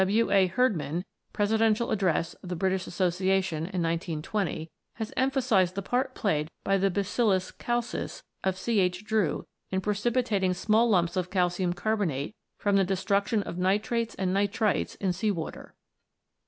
W. A. Herd man (Pres. Address Brit Assoc., 1920) has emphasised the part played by the Bacillus calcis of C. H. Drew in precipitating small lumps of calcium carbonate from the destruction of nitrates and nitrites in sea water.